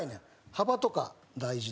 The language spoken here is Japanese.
幅とか大事で。